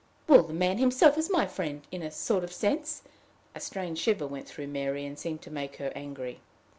"Well, the man himself is my friend in a sort of a sense." A strange shiver went through Mary, and seemed to make her angry.